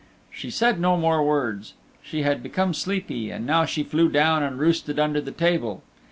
She said no more words. She had become sleepy and now she flew down and roosted under the table.